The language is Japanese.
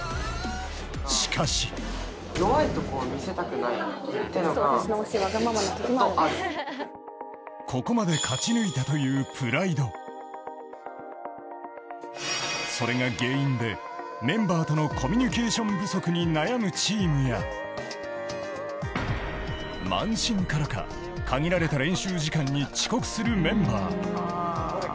しかしここまで勝ち抜いたというプライドそれが原因でメンバーとのコミュニケーション不足に悩むチームや慢心からか限られた練習時間に遅刻するメンバー